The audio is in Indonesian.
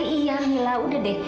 iya mila udah deh